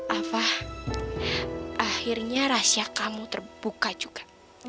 apa akhirnya rahasia kamu terbuka juga